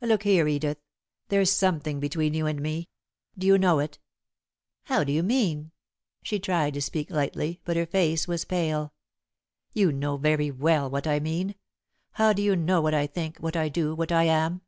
"Look here, Edith, there's something between you and me do you know it?" "How do you mean?" She tried to speak lightly, but her face was pale. "You know very well what I mean. How do you know what I think, what I do, what I am?